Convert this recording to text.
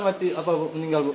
kenapa korban mati